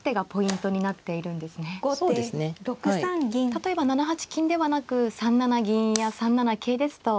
例えば７八金ではなく３七銀や３七桂ですと。